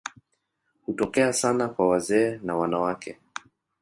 Hutokea sana kwa wazee na wanawake.